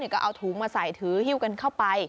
ก็เอาถุงมาใส่ถือฮิ้วกันเข้าไป